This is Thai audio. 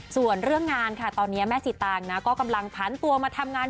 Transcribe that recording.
ส่วนเรื่องงานค่ะตอนนี้แม่สีตางนะก็กำลังพันตัวมาทำงาน